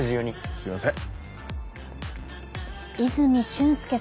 すいません。